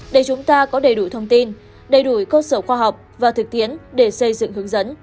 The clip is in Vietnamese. để chúng ta có đầy đủ thông tin đầy đủ cơ sở khoa học và thực tiễn để xây dựng hướng dẫn